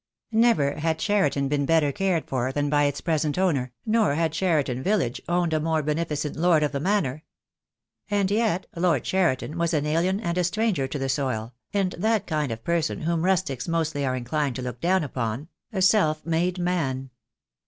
Never had Cheriton been better cared for than by its present owner, nor had Cheriton village owned a more beneficent lord of the manor. And yet Lord Cheriton was an alien and a stranger to the soil, and that kind of person whom rustics mostly are inclined to look down upon — a self made man.